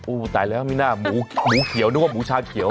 อู๋ตายแล้วนะมิน่าหมูเขียวนึกว่าหมูชาวเขียว